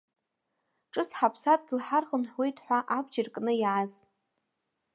Ҿыц ҳаԥсадгьыл ҳархынҳәуеит ҳәа абџьар кны иааз.